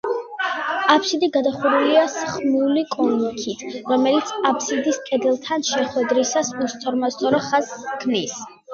აბსიდი გადახურულია სხმული კონქით, რომელიც აბსიდის კედელთან შეხვედრისას უსწორმასწორო ხაზს ქმნის.